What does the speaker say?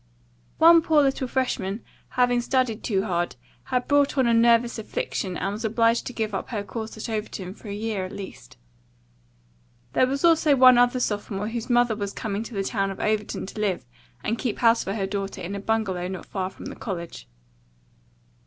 One poor little freshman, having studied too hard, had brought on a nervous affection and was obliged to give up her course at Overton for a year at least. There was also one other sophomore whose mother was coming to the town of Overton to live and keep house for her daughter in a bungalow not far from the college.